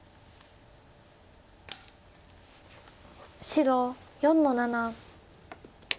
白４の七。